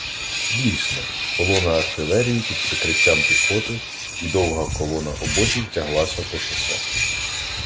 Дійсно, колона артилерії, під прикриттям піхоти, і довга колона обозів тяглася по шосе.